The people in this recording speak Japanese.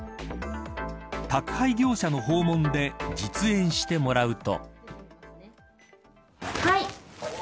宅配業者の訪問で実演してもらうと。